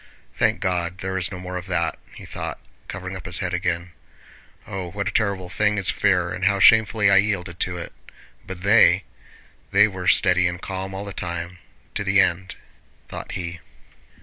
"Thank God, there is no more of that!" he thought, covering up his head again. "Oh, what a terrible thing is fear, and how shamefully I yielded to it! But they... they were steady and calm all the time, to the end..." thought he.